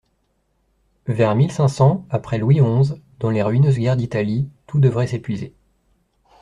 Vers mille cinq cents, après Louis onze, dans les ruineuses guerres d'Italie, tout devrait s'épuiser.